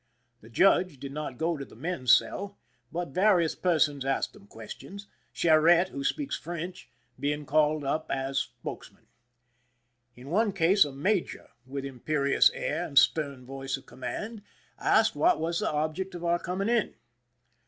The judge did not go to the men's cell, but vari ous persons asked them questions, Charette, who speaks French, being called up as spokesman. In one case a major, with imperious air and stern voice of command, asked what was the object of our coming in.